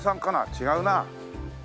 違うなあ。